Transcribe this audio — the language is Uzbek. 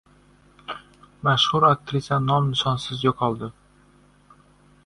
Mashhur aktrisa nom-nishonsiz yo‘qoldi